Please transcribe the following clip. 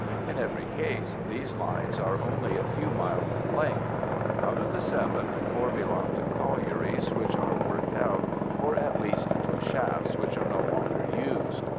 In every case these lines are only a few miles in length. Out of the seven, four belong to collieries which are worked out, or at least to shafts which are no longer used.